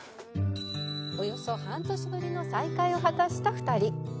およそ半年ぶりの再会を果たした２人